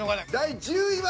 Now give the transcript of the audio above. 第１０位は。